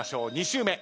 ２周目。